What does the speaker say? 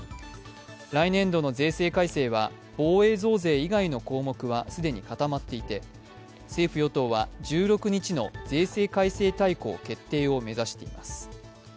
来年度の税制改正は防衛増税以外の項目は既に固まっていて政府・与党は１６日の税制改革大綱決定を目指しています。